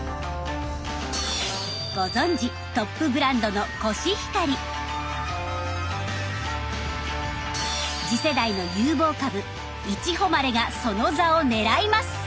ご存じトップブランドの次世代の有望株「いちほまれ」がその座を狙います。